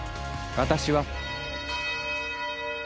私は。